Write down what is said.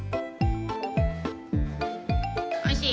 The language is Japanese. おいしい？